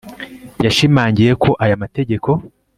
yashimangiye ko aya mategeko